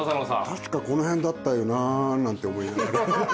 確かこの辺だったよななんて思いながら。